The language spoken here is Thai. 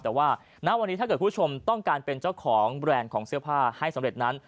แต่ว่าณวันนี้ถ้าเกิดคุณผู้ชมต้องการเป็นเจ้าของแบรนด์ของเสื้อผ้าให้สำเร็จนั้น